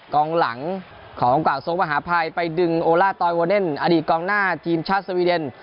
กองหลังของกว่าสงฆ์มหาภัยไปดึงโอล่าอดีตกองหน้าทีมชาติสวีเดน